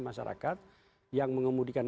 masyarakat yang mengemudikan